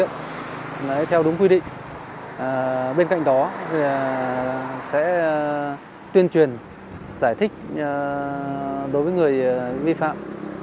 sau đúng quy định bên cạnh đó sẽ tuyên truyền giải thích đối với người vi phạm